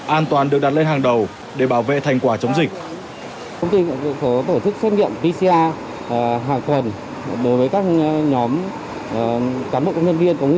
an toàn được đặt lên hàng đầu để bảo vệ thành quả chống dịch